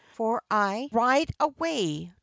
For I ride away, &c.